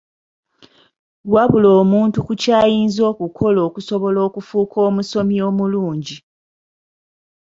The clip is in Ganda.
Wabula omuntu ku ky'ayinza okukola okusobola okufuuka omusomi omulungi.